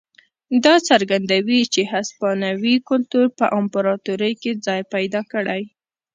دا څرګندوي چې هسپانوي کلتور په امپراتورۍ کې ځای پیدا کړی.